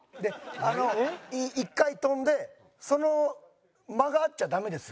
一回跳んでその間があっちゃダメですよ。